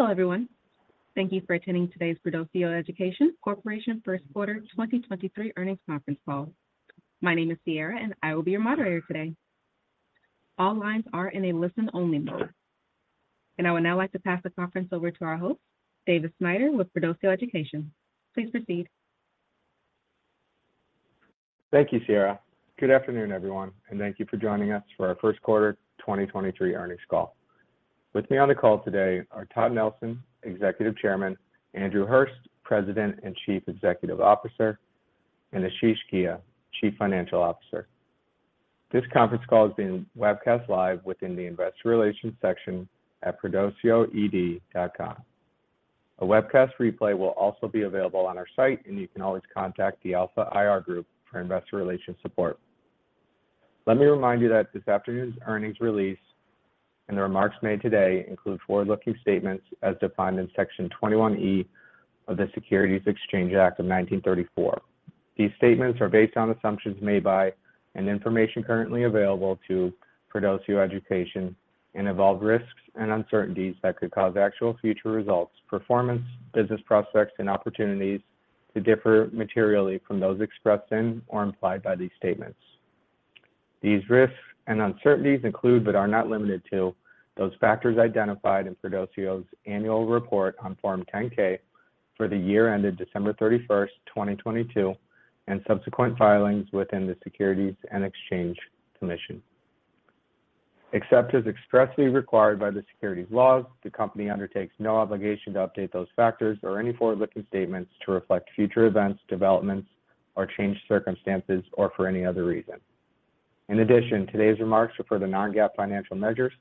Hello, everyone. Thank you for attending today's Perdoceo Education Corporation first quarter 2023 earnings conference call. My name is Sierra, and I will be your moderator today. All lines are in a listen-only mode. I would now like to pass the conference over to our host, Davis Snyder with Perdoceo Education. Please proceed. Thank you, Sierra. Good afternoon, everyone, and thank you for joining us for our first quarter 2023 earnings call. With me on the call today are Todd Nelson, Executive Chairman, Andrew Hurst, President and Chief Executive Officer, and Ashish Ghia, Chief Financial Officer. This conference call is being webcast live within the investor relations section at perdoceoed.com. A webcast replay will also be available on our site, and you can always contact the Alpha IR Group for investor relations support. Let me remind you that this afternoon's earnings release and the remarks made today include forward-looking statements as defined in Section 21E of the Securities Exchange Act of 1934. These statements are based on assumptions made by and information currently available to Perdoceo Education and involve risks and uncertainties that could cause actual future results, performance, business prospects, and opportunities to differ materially from those expressed in or implied by these statements. These risks and uncertainties include but are not limited to those factors identified in Perdoceo's annual report on Form 10-K for the year ended December 31st, 2022, and subsequent filings within the Securities and Exchange Commission. Except as expressly required by the securities laws, the company undertakes no obligation to update those factors or any forward-looking statements to reflect future events, developments or changed circumstances or for any other reason. In addition, today's remarks refer to non-GAAP financial measures,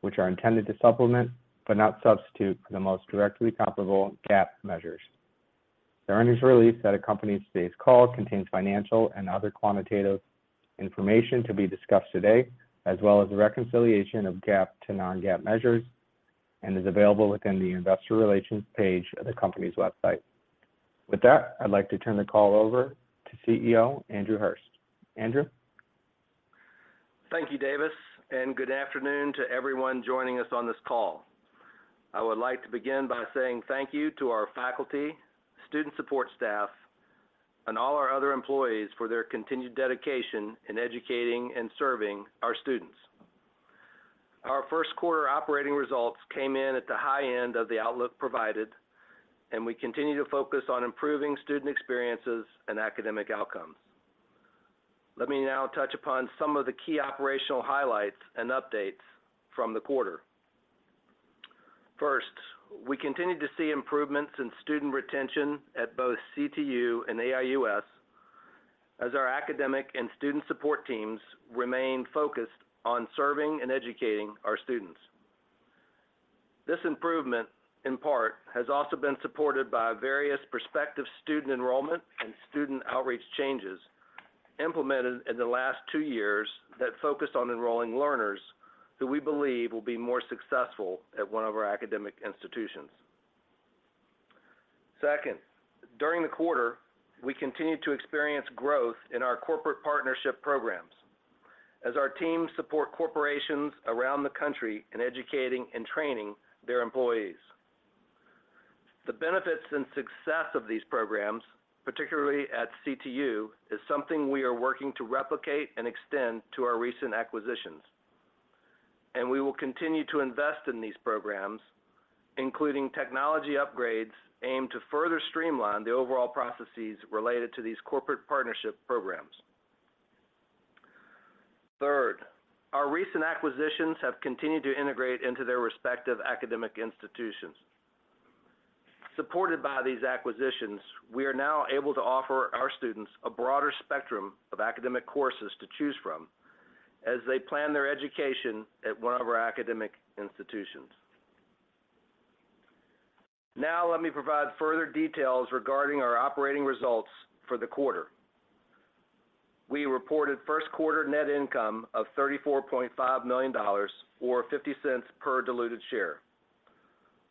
which are intended to supplement, but not substitute, for the most directly comparable GAAP measures. The earnings release that accompanies today's call contains financial and other quantitative information to be discussed today, as well as the reconciliation of GAAP to non-GAAP measures and is available within the investor relations page of the company's website. With that, I'd like to turn the call over to CEO, Andrew Hurst. Andrew? Thank you, Davis, and good afternoon to everyone joining us on this call. I would like to begin by saying thank you to our faculty, student support staff, and all our other employees for their continued dedication in educating and serving our students. Our first quarter operating results came in at the high end of the outlook provided, and we continue to focus on improving student experiences and academic outcomes. Let me now touch upon some of the key operational highlights and updates from the quarter. First, we continued to see improvements in student retention at both CTU and AIUS as our academic and student support teams remain focused on serving and educating our students. This improvement, in part, has also been supported by various prospective student enrollment and student outreach changes implemented in the last two years that focused on enrolling learners who we believe will be more successful at one of our academic institutions. Second, during the quarter, we continued to experience growth in our corporate partnership programs as our teams support corporations around the country in educating and training their employees. The benefits and success of these programs, particularly at CTU, is something we are working to replicate and extend to our recent acquisitions, and we will continue to invest in these programs, including technology upgrades aimed to further streamline the overall processes related to these corporate partnership programs. Third, our recent acquisitions have continued to integrate into their respective academic institutions. Supported by these acquisitions, we are now able to offer our students a broader spectrum of academic courses to choose from as they plan their education at one of our academic institutions. Let me provide further details regarding our operating results for the quarter. We reported first quarter net income of $34.5 million or $0.50 per diluted share.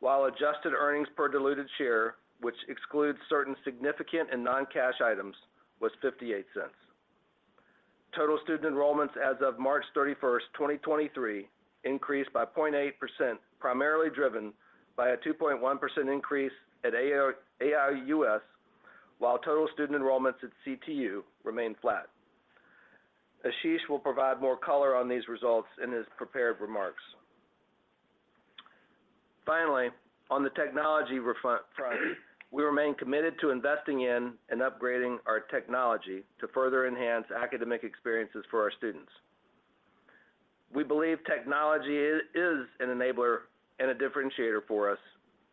Adjusted earnings per diluted share, which excludes certain significant and non-cash items, was $0.58. Total student enrollments as of March 31st, 2023 increased by 0.8%, primarily driven by a 2.1% increase at AIUS, while total student enrollments at CTU remained flat. Ashish will provide more color on these results in his prepared remarks. On the technology front, we remain committed to investing in and upgrading our technology to further enhance academic experiences for our students. We believe technology is an enabler and a differentiator for us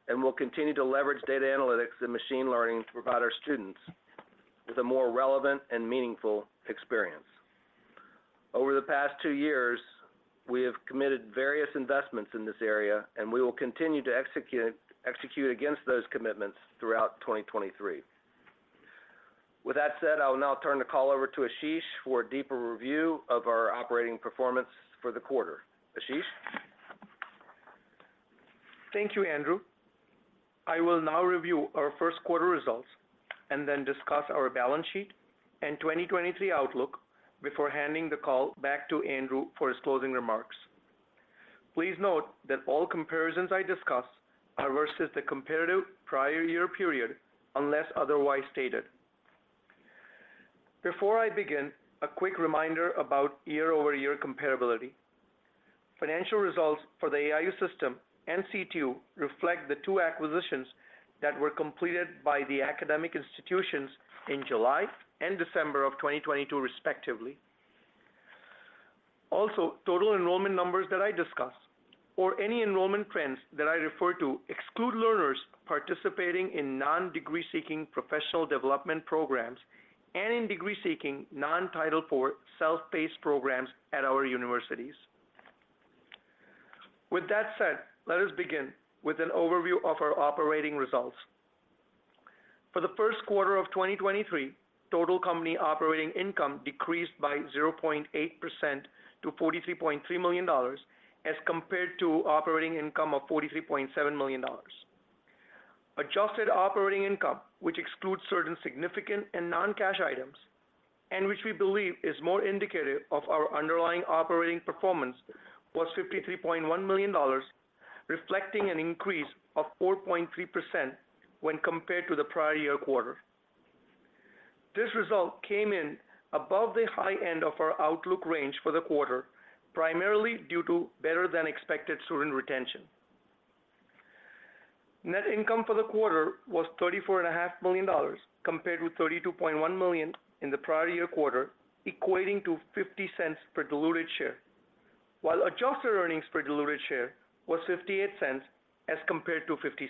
and will continue to leverage data analytics and machine learning to provide our students with a more relevant and meaningful experience. Over the past two years, we have committed various investments in this area, and we will continue to execute against those commitments throughout 2023. With that said, I will now turn the call over to Ashish for a deeper review of our operating performance for the quarter. Ashish? Thank you, Andrew. I will now review our first quarter results and then discuss our balance sheet and 2023 outlook before handing the call back to Andrew for his closing remarks. Please note that all comparisons I discuss are versus the comparative prior year period, unless otherwise stated. Before I begin, a quick reminder about year-over-year comparability. Financial results for the AIU System and CTU reflect the two acquisitions that were completed by the academic institutions in July and December of 2022 respectively. Total enrollment numbers that I discuss or any enrollment trends that I refer to exclude learners participating in non-degree seeking professional development programs and in degree-seeking non-Title IV self-paced programs at our universities. With that said, let us begin with an overview of our operating results. For the first quarter of 2023, total company operating income decreased by 0.8% to $43.3 million as compared to operating income of $43.7 million. Adjusted operating income, which excludes certain significant and non-cash items and which we believe is more indicative of our underlying operating performance, was $53.1 million, reflecting an increase of 4.3% when compared to the prior year quarter. This result came in above the high end of our outlook range for the quarter, primarily due to better than expected student retention. Net income for the quarter was $34 and a half million compared with $32.1 million in the prior year quarter, equating to $0.50 per diluted share. While adjusted earnings per diluted share was $0.58 as compared to $0.50.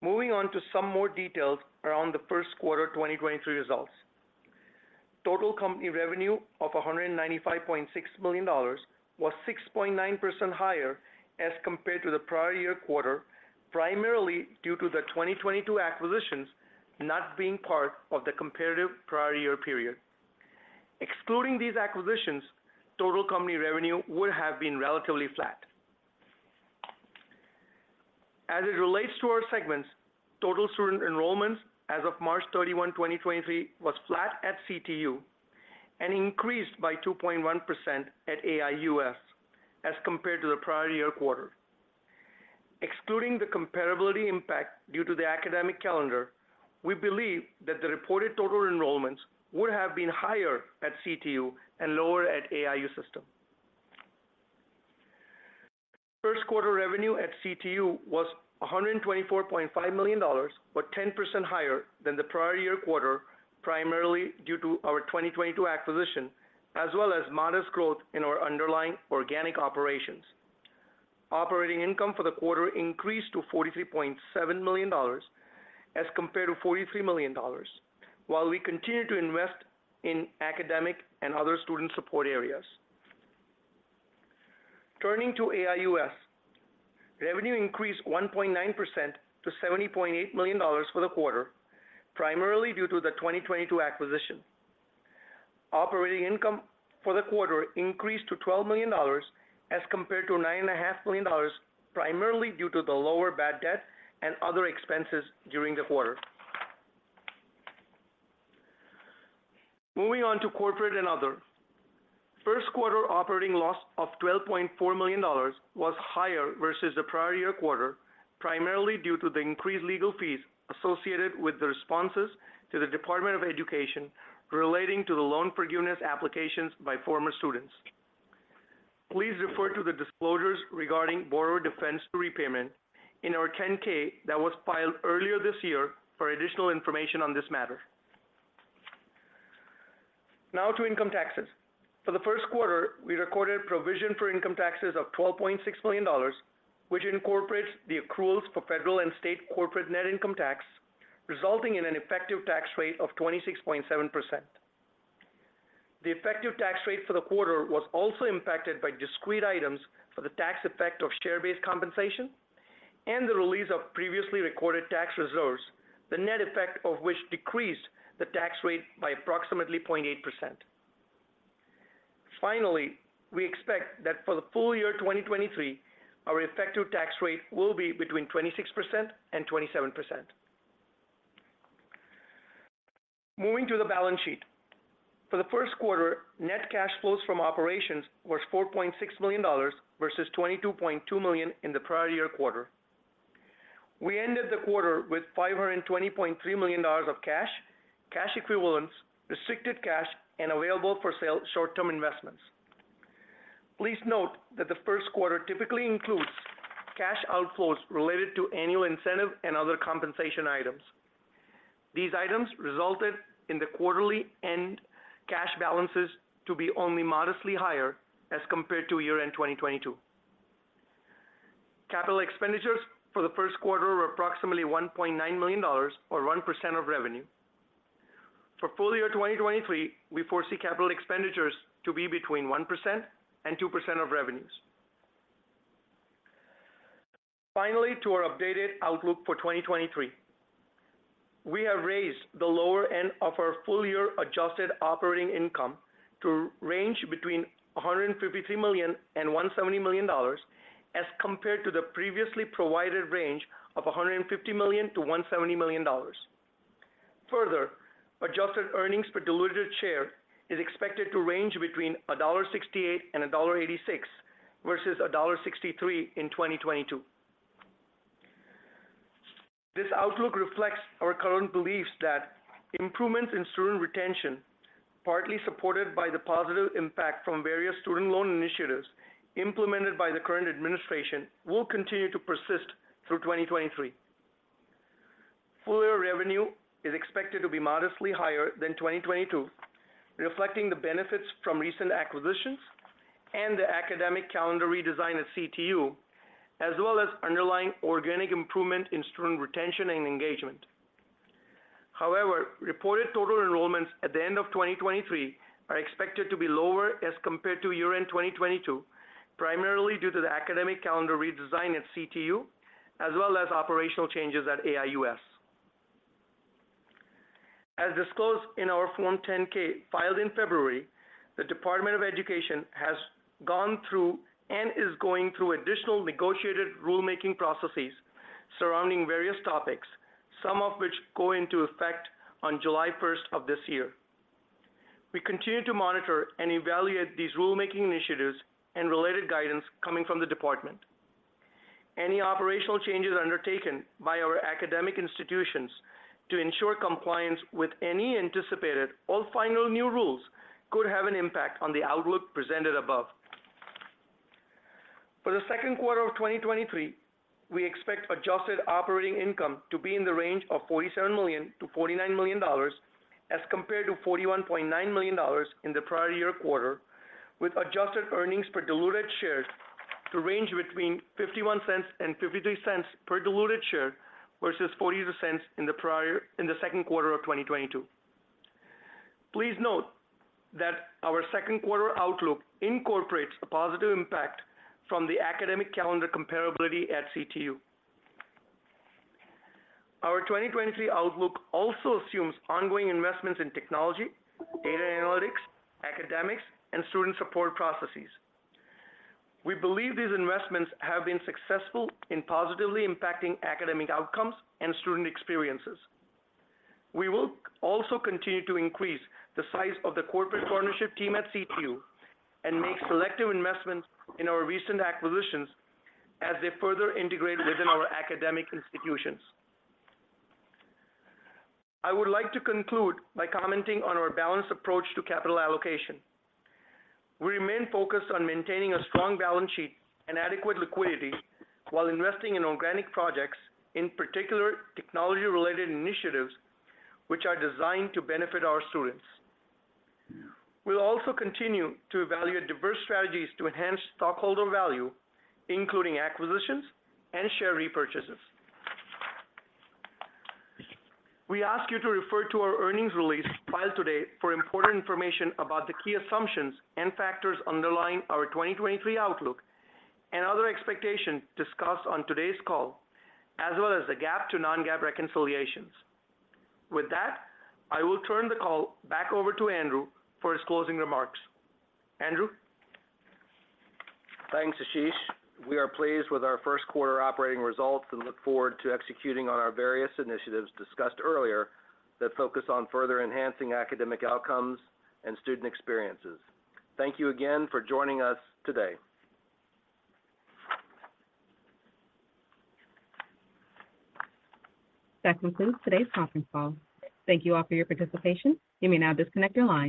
Moving on to some more details around the first quarter 2023 results. Total company revenue of $195.6 million was 6.9% higher as compared to the prior year quarter, primarily due to the 2022 acquisitions not being part of the comparative prior year period. Excluding these acquisitions, total company revenue would have been relatively flat. As it relates to our segments, total student enrollments as of March 31st, 2023 was flat at CTU and increased by 2.1% at AIUS as compared to the prior year quarter. Excluding the comparability impact due to the academic calendar, we believe that the reported total enrollments would have been higher at CTU and lower at AIU System. First quarter revenue at CTU was $124.5 million or 10% higher than the prior year quarter, primarily due to our 2022 acquisition as well as modest growth in our underlying organic operations. Operating income for the quarter increased to $43.7 million as compared to $43 million while we continue to invest in academic and other student support areas. Turning to AIUS. Revenue increased 1.9% to $70.8 million for the quarter, primarily due to the 2022 acquisition. Operating income for the quarter increased to $12 million as compared to $9.5 million, primarily due to the lower bad debt and other expenses during the quarter. Moving on to corporate and other. First quarter operating loss of $12.4 million was higher versus the prior year quarter, primarily due to the increased legal fees associated with the responses to the Department of Education relating to the loan forgiveness applications by former students. Please refer to the disclosures regarding Borrower Defense to Repayment in our 10-K that was filed earlier this year for additional information on this matter. To income taxes. For the first quarter, we recorded provision for income taxes of $12.6 million, which incorporates the accruals for federal and state corporate net income tax, resulting in an effective tax rate of 26.7%. The effective tax rate for the quarter was also impacted by discrete items for the tax effect of share-based compensation and the release of previously recorded tax reserves, the net effect of which decreased the tax rate by approximately 0.8%. Finally, we expect that for the full year 2023, our effective tax rate will be between 26% and 27%. Moving to the balance sheet. For the first quarter, net cash flows from operations was $4.6 million versus $22.2 million in the prior year quarter. We ended the quarter with $520.3 million of cash equivalents, restricted cash, and available for sale short-term investments. Please note that the first quarter typically includes cash outflows related to annual incentive and other compensation items. These items resulted in the quarterly end cash balances to be only modestly higher as compared to year-end 2022. Capital expenditures for the first quarter were approximately $1.9 million or 1% of revenue. For full year 2023, we foresee capital expenditures to be between 1% and 2% of revenues. To our updated outlook for 2023. We have raised the lower end of our full year adjusted operating income to range between $153 million and $170 million as compared to the previously provided range of $150 million-$170 million. Further, adjusted earnings per diluted share is expected to range between $1.68 and $1.86 versus $1.63 in 2022. This outlook reflects our current beliefs that improvements in student retention, partly supported by the positive impact from various student loan initiatives implemented by the current administration, will continue to persist through 2023. Full year revenue is expected to be modestly higher than 2022, reflecting the benefits from recent acquisitions and the academic calendar redesign at CTU, as well as underlying organic improvement in student retention and engagement. However, reported total enrollments at the end of 2023 are expected to be lower as compared to year-end 2022, primarily due to the academic calendar redesign at CTU, as well as operational changes at AIUS. As disclosed in our Form 10-K filed in February, the Department of Education has gone through and is going through additional negotiated rulemaking processes surrounding various topics, some of which go into effect on July 1st of this year. We continue to monitor and evaluate these rulemaking initiatives and related guidance coming from the department. Any operational changes undertaken by our academic institutions to ensure compliance with any anticipated or final new rules could have an impact on the outlook presented above. For the second quarter of 2023, we expect adjusted operating income to be in the range of $47 million-$49 million as compared to $41.9 million in the prior year quarter, with adjusted earnings per diluted share to range between $0.51 and $0.53 per diluted share versus $0.42 in the second quarter of 2022. Please note that our second quarter outlook incorporates a positive impact from the academic calendar comparability at CTU. Our 2023 outlook also assumes ongoing investments in technology, data analytics, academics, and student support processes. We believe these investments have been successful in positively impacting academic outcomes and student experiences. We will also continue to increase the size of the corporate partnership team at CTU and make selective investments in our recent acquisitions as they further integrate within our academic institutions. I would like to conclude by commenting on our balanced approach to capital allocation. We remain focused on maintaining a strong balance sheet and adequate liquidity while investing in organic projects, in particular technology-related initiatives, which are designed to benefit our students. We'll also continue to evaluate diverse strategies to enhance stockholder value, including acquisitions and share repurchases. We ask you to refer to our earnings release filed today for important information about the key assumptions and factors underlying our 2023 outlook and other expectations discussed on today's call, as well as the GAAP to non-GAAP reconciliations. With that, I will turn the call back over to Andrew for his closing remarks. Andrew? Thanks, Ashish. We are pleased with our first quarter operating results and look forward to executing on our various initiatives discussed earlier that focus on further enhancing academic outcomes and student experiences. Thank you again for joining us today. That concludes today's conference call. Thank you all for your participation. You may now disconnect your lines.